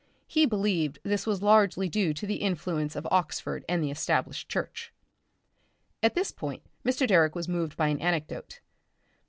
He believed this was largely due to the influence of Oxford and the Established Church.... At this point Mr. Direck was moved by an anecdote.